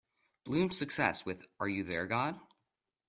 Blume's success with Are You There God?